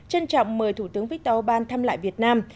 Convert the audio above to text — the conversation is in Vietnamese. trân trọng mời thủ tướng viktor ban thăm lại việt nam